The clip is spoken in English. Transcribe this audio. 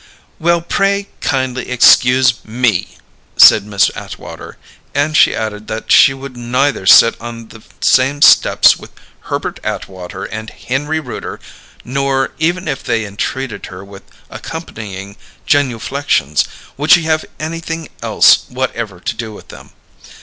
"Well, pray kindly excuse me!" said Miss Atwater; and she added that she would neither sit on the same steps with Herbert Atwater and Henry Rooter, nor, even if they entreated her with accompanying genuflections, would she have anything else whatever to do with them.